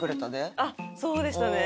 あっそうでしたね。